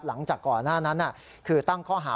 หลังจากก่อนหน้านั้นคือตั้งข้อหา